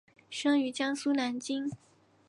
生于江苏南京。